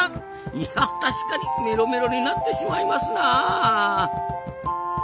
いや確かにメロメロになってしまいますな。